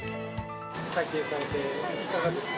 体験されていかがですか？